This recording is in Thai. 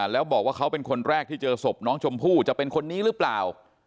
แล้วบอกว่าเขาเป็นคนแรกที่เจอศพน้องชมพู่จะเป็นคนนี้หรือเปล่า